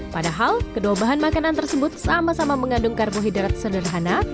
padahal kedua bahan makanan tersebut sama sama mengandung karbohidrat sederhana